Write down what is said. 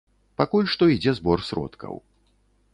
Пакуль што ідзе збор сродкаў.